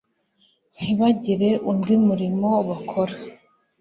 ntibagire undi murimo bakora